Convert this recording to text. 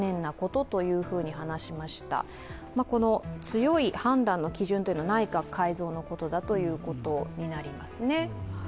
強い判断の基準というのは内閣改造のことだということになりますね。